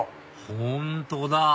本当だ！